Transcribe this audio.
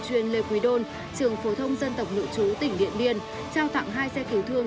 chuyên lê quỳ đôn trường phổ thông dân tộc nội chú tỉnh điện biên trao tặng hai xe cứu thương